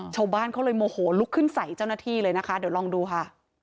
ชาวบ้านเขาเลยโมโหลุกขึ้นใส่เจ้าหน้าที่เลยนะคะเดี๋ยวลองดูค่ะ